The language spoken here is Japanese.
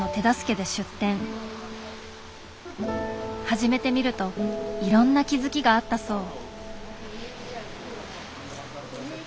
始めてみるといろんな気付きがあったそう。